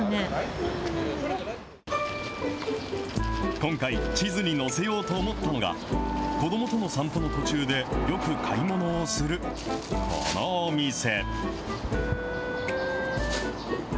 今回、地図に載せようと思ったのが、子どもとの散歩の途中でよく買い物をするこのお店。